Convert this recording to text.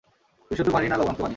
বিশুদ্ধ পানি না লবণাক্ত পানি?